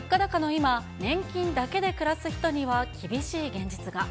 今、年金だけで暮らす人には厳しい現実が。